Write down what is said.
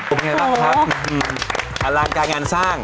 โอเคครับอารางกายงานสร้าง